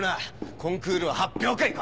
コンクールは発表会か？